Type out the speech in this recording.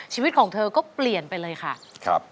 ชีวิตของเธอก็เปลี่ยนไปเลยค่ะ